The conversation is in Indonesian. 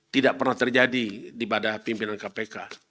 tidak pernah terjadi di badan pimpinan kpk